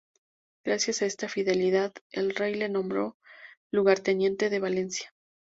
Gracias a esta fidelidad, el rey le nombró lugarteniente de Valencia.